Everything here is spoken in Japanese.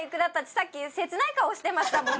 さっき切ない顔してましたもん。